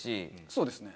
そうですね。